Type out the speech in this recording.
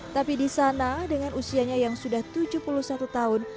tapi di sana dengan usianya yang sudah tujuh puluh satu tahun